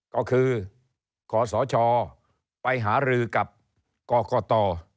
ก็คือขอสชไปหารือกับกรกต